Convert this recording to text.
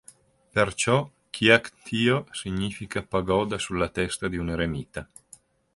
Perciò "Kyaik-htiyo" significa "pagoda sulla testa di un eremita".